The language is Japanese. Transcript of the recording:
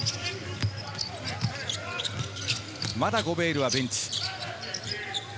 まだゴベールはベンチ。